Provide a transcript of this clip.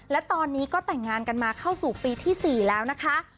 และตอนนี้ก็แต่งงานกันมาเข้าสู่ปีที่๔แล้วนะคะ